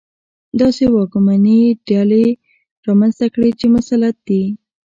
داسې واکمنې ډلې رامنځته کړي چې مسلط دي.